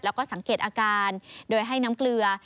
แล้วก็สังเกตอาการโดยให้น้ำเกลือ